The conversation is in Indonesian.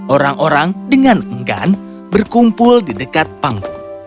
orang orang dengan enggan berkumpul di dekat panggung